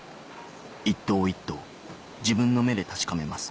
一頭一頭自分の目で確かめます・